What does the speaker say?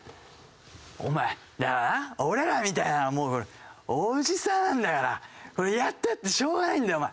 お前だからな俺らみたいなもうほらおじさんなんだからやったってしょうがないんだよお前。